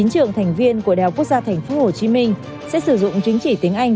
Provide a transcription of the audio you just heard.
chín trưởng thành viên của đh tp hcm sẽ sử dụng chứng chỉ tiếng anh